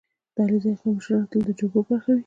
• د علیزي قوم مشران تل د جرګو برخه وي.